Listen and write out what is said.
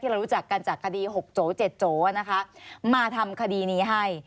เรารู้จักกันจากคดี๖โจ๗โจนะคะมาทำคดีนี้ให้